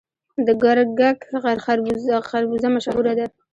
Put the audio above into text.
د ګرګک خربوزه مشهوره ده.